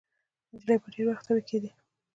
د نجلۍ به ډېر وخت تبې کېدې.